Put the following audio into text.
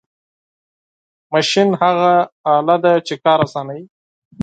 ماشین هغه آله ده چې کار آسانوي.